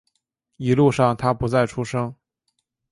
一路上他不再出声